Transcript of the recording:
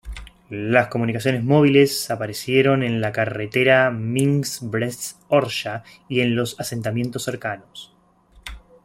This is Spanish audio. Las comunicaciones móviles aparecieron en la carretera Minsk-Brest-Orsha y en los asentamientos cercanos.